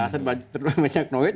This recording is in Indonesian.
terlalu banyak noise